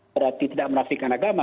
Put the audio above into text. berarti tidak merafikan agama